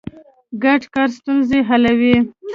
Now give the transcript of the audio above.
ګډ کار ستونزې حلوي.